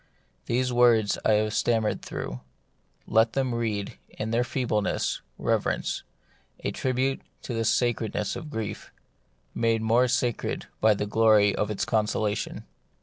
These words I have stammered through ; let them read, in their feebleness, reverence ; a tribute 96 The Mystery of Pain. to the sacredness of grief, made more sacred by the glory of its consolation.